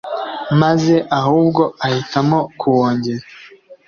maze ahubwo ahitamo kuwongera